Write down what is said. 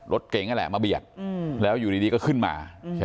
รถเก๋งนั่นแหละมาเบียดแล้วอยู่ดีก็ขึ้นมาใช่ไหม